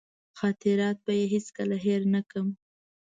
خاطرات به یې هېڅکله هېر نه کړم.